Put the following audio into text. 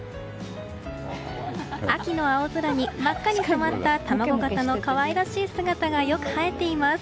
秋の青空に真っ赤に染まった卵形の可愛らしい姿がよく映えています。